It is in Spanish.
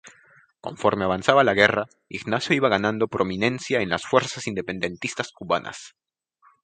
Conforme avanzaba la guerra, Ignacio iba ganando prominencia en las fuerzas independentistas cubanas.